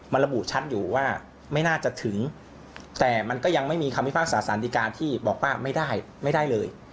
มันระบุชัดอยู่ว่าไม่น่าจะถึงแต่มันก็ยังไม่มีคำพิพากษาสารดีการที่บอกว่าไม่ได้ไม่ได้เลย